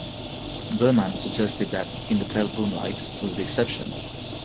Berman suggested that "In the Pale Moonlight" was the exception.